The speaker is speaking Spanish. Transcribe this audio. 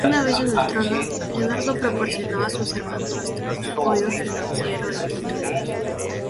Una vez en el trono, Eduardo proporcionó a sus hermanastros apoyo financiero y títulos.